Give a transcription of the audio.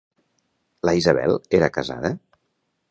La Isabel era casada?